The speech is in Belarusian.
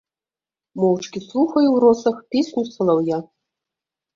Моўчкі слухаю ў росах песню салаўя.